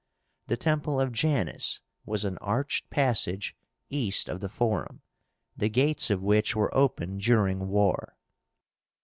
The Temple of Janus was an arched passage east of the Forum, the gates of which were open during war.